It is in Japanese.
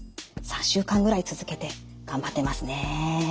３週間ぐらい続けて頑張ってますね。